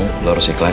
kamu sudah sadar ya